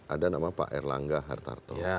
ada nama pak erlangga hartarto